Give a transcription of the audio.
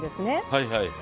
はいはい。